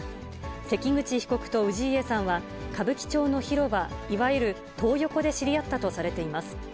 関口被告と氏家さんは、歌舞伎町の広場、いわゆるトー横で知り合ったとされています。